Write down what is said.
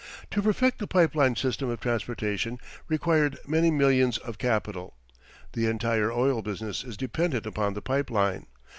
To perfect the pipe line system of transportation required many millions of capital. The entire oil business is dependent upon the pipe line.